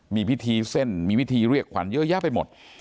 มีพิธีเส้นมีวิธีเรียกขวัญเยอะแยะไปหมด